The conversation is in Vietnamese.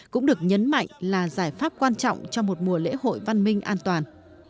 cũng được nhấn mạnh là giải pháp quan trọng cho một mùa lễ hội văn minh an toàn